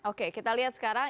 oke kita lihat sekarang